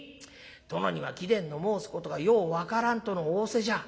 殿には貴殿の申すことがよう分からんとの仰せじゃ」。